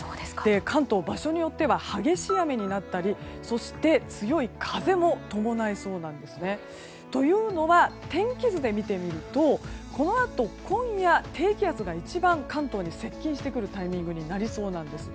関東、場所によっては激しい雨になったりそして、強い風も伴いそうなんですね。というのは天気図で見てみるとこのあと今夜、低気圧が一番関東に接近してくるタイミングになりそうなんです。